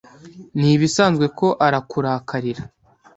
Ni ibisanzwe ko arakurakarira.